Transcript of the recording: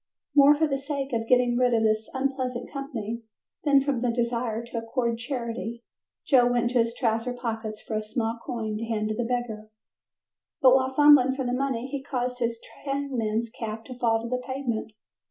More for the sake of getting rid of his unpleasant company, than from a desire to accord charity, Joe went into his trouser pockets for a small coin to hand to the beggar, but while fumbling for the money he caused his trainman's cap to fall to the pavement.